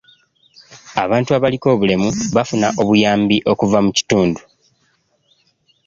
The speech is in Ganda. Abantu abaliko obulemu bafuna obuyambi okuva mu kitundu.